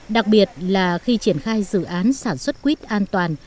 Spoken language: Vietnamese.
đặc biệt là khi triển khai dự án sản xuất quýt an toàn